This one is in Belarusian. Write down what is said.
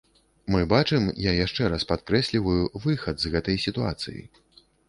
Мы бачым, я яшчэ раз падкрэсліваю, выхад з гэтай сітуацыі.